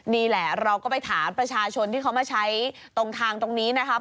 นี่แหละเราก็ไปถามประชาชนที่เขามาใช้ตรงทางตรงนี้นะครับ